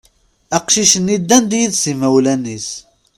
Aqcic-nni ddan-d yid-s yimawlan-is.